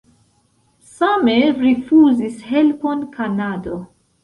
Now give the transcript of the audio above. Same rifuzis helpon Kanado.